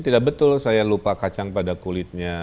tidak betul saya lupa kacang pada kulitnya